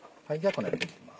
このようにできます。